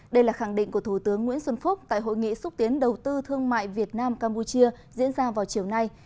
đây là khẳng định của thủ tướng nguyễn xuân phúc tại hội nghị xúc tiến đầu tư thương mại việt nam campuchia diễn ra vào chiều nay